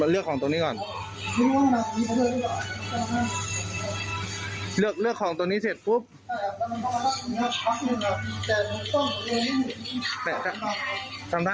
เลือกของตัวนี้เสร็จปุ๊บ